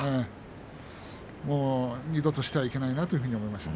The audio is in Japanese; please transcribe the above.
もう二度としてはいけないなと思いました。